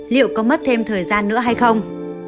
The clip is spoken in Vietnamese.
liệu có mất thêm thời gian nữa hay không